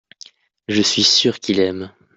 je suis sûr qu'il aime.